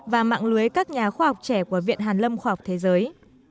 và mạng lưới các nhà khoa học trẻ của viện hàn lâm khoa học thế giới